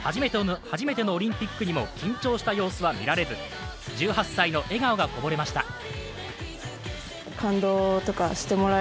初めてのオリンピックにも緊張した様子は見られず１８歳の笑顔がこぼれました。